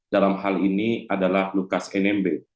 dalam hal ini adalah lukas nmb